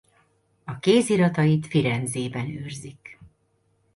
A kéziratait Firenzében őrzik.